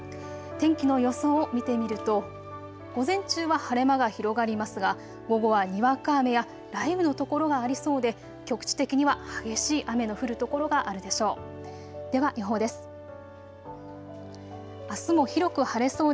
天気の予想を見てみると午前中は晴れ間が広がりますが午後はにわか雨や雷雨の所がありそうで局地的には激しい雨の降る所があるでしょう。